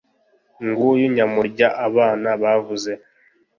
nguyu nyamurya abana bavuze